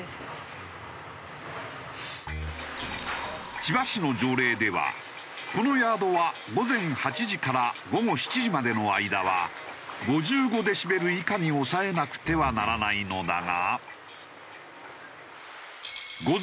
千葉市の条例ではこのヤードは午前８時から午後７時までの間は５５デシベル以下に抑えなくてはならないのだが。